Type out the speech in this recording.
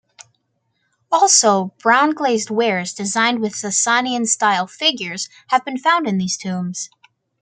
Also, brown glazed wares designed with Sasanian-style figures have been found in these tombs.